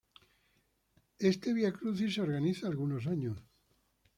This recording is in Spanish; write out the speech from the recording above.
Este Via Crucis se organiza algunos años.